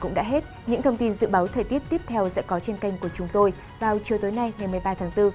cũng đã hết những thông tin dự báo thời tiết tiếp theo sẽ có trên kênh của chúng tôi vào chiều tối nay ngày một mươi ba tháng bốn